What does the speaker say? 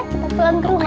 kita pulang kerumah ya